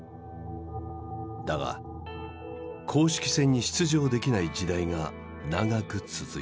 だが公式戦に出場できない時代が長く続いた。